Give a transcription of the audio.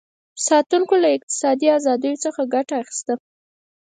ساتونکو له اقتصادي ازادیو څخه ګټه اخیسته.